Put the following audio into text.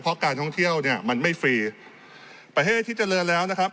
เพราะการท่องเที่ยวเนี่ยมันไม่ฟรีประเทศที่เจริญแล้วนะครับ